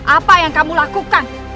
apa yang kamu lakukan